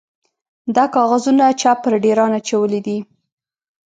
_دا کاغذونه چا پر ډېران اچولي دي؟